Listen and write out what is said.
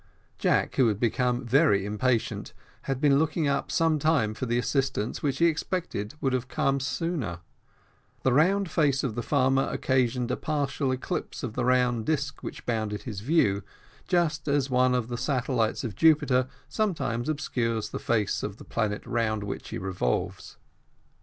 Jack, who had become very impatient, had been looking up some time for the assistance which he expected would have come sooner; the round face of the farmer occasioned a partial eclipse of the round disc which bounded his view, just as one of the satellites of Jupiter sometimes obscures the face of the planet round which he revolves.